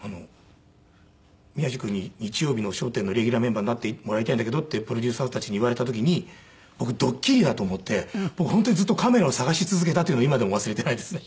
宮治君に日曜日の『笑点』のレギュラーメンバーになってもらいたいんだけどってプロデューサーたちに言われた時に僕ドッキリだと思って本当にずっとカメラを探し続けたっていうのは今でも忘れていないですね。